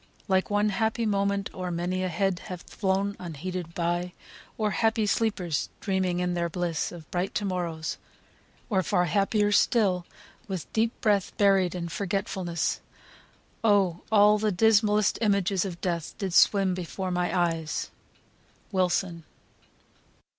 like one happy moment O'er many a head hath flown unheeded by; O'er happy sleepers dreaming in their bliss Of bright to morrows or far happier still, With deep breath buried in forgetfulness. O all the dismallest images of death Did swim before my eyes!" WILSON.